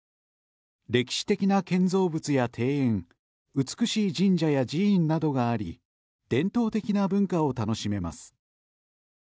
歴史的な建造物や庭園美しい神社や寺院などがあり伝統的な文化を楽しめます。